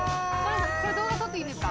これ動画撮っていいんですか？